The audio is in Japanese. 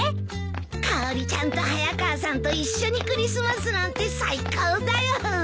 かおりちゃんと早川さんと一緒にクリスマスなんて最高だよ！